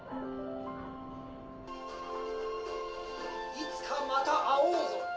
「いつかまた会おうぞ！」